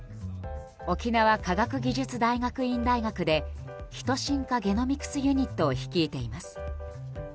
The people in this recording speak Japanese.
沖縄科学技術大学院大学でヒト進化ゲノミクスユニットを率いています。